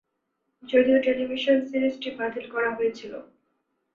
যদিও টেলিভিশন সিরিজটি বাতিল করা হয়েছিল।